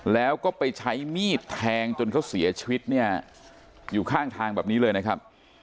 แล้วก็ไปใช้มีดแทงจนเขาเสียชีวิตเนี่ยอยู่ข้างทางแบบนี้เลยนะครับ